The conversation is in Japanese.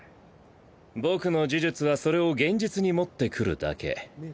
僕の呪術はそれを現実に持ってくるだけ。